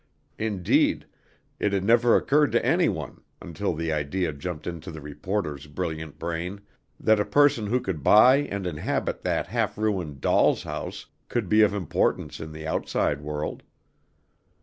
Indeed, it had never occurred to any one (until the idea jumped into the reporter's brilliant brain) that a person who could buy and inhabit that half ruined "doll's house" could be of importance in the outside world.